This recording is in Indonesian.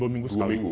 dua minggu sekali